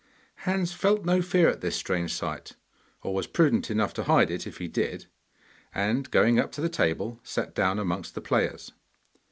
Hans felt no fear at this strange sight, or was prudent enough to hide it if he did, and, going up to the table, sat down amongst the players.